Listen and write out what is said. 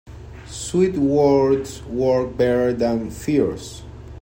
Sweet words work better than fierce.